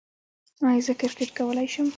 ایا زه کرکټ کولی شم؟